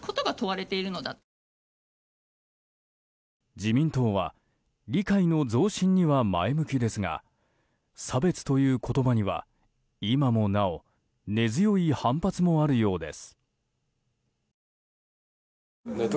自民党は理解の増進には前向きですが差別という言葉には今もなお根強い反発もあるようです。